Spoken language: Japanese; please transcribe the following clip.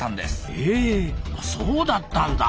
へえそうだったんだ。